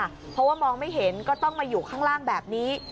เพราะว่ามองไม่เห็นก็ต้องมาอยู่ข้างล่างแบบนี้